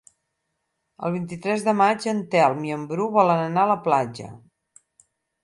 El vint-i-tres de maig en Telm i en Bru volen anar a la platja.